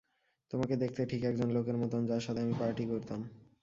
তোমাকে দেখতে ঠিক একজন লোকের মতন যার সাথে আমি পার্টি করতাম।